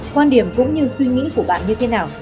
quan điểm cũng như suy nghĩ của bạn như thế nào